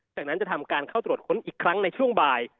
จากนั้นจะทำการเข้าตรวจค้นอีกครั้งในช่วงบ่าย